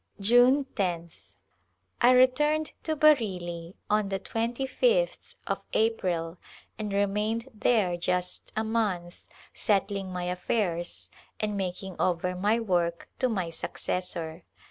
'June loth. I returned to Bareilly on the 25th of April and re mained there just a month settling my affairs and mak ing over my work to my successor.